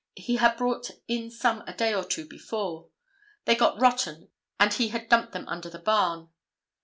He had brought in some a day or two before. They got rotten and he had dumped them under the barn.